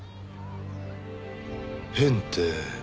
変って。